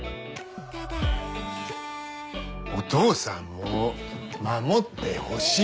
お父さんも守ってほしい。